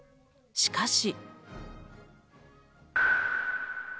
しかし。